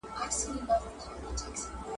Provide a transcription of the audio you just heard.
د مثال په ډول زه دادی اوس یو آزاد شعر لیکم `